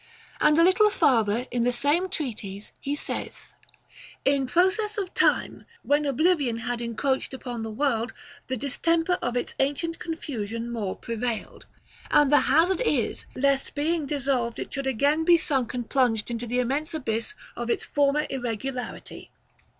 And a little farther in the same treatise he saith : "In process of time, when obliv ion had encroached upon the world, the distemper of its ancient confusion more prevailed, and the hazard is, lest being dissolved it should again be sunk and plunged into the immense abyss of its former irregularity."